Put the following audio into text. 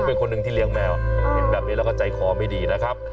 เป็นคนหนึ่งที่เลี้ยงแมวเห็นแบบนี้แล้วก็ใจคอไม่ดีนะครับ